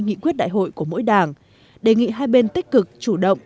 nghị quyết đại hội của mỗi đảng đề nghị hai bên tích cực chủ động